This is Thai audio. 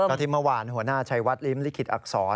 ก็ที่เมื่อวานหัวหน้าชัยวัดลิ้มลิขิตอักษร